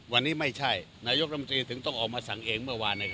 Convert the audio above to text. วันนี้ไม่ใช่นายกรัฐมนตรีถึงต้องออกมาสั่งเองเมื่อวาน